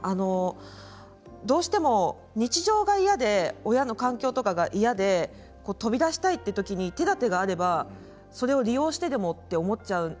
どうしても日常が嫌で親の環境とかが嫌で飛び出したいというときに手だてがあればそれを利用してでもと思っちゃう。